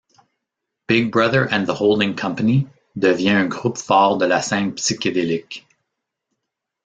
Big Brother and the Holding Company devient un groupe phare de la scène psychédélique.